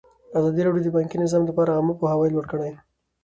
ازادي راډیو د بانکي نظام لپاره عامه پوهاوي لوړ کړی.